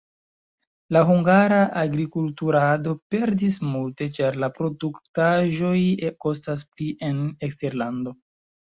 La hungara agrikulturado perdis multe, ĉar la produktaĵoj kostas pli en eksterlando.